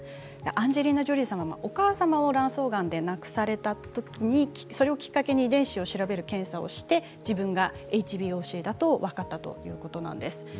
アンジェリーナ・ジョリーさんはお母様を卵巣がんで亡くされたことをきっかけに遺伝子を調べる検査を受けて自分がＨＢＯＣだと分かったということなんです。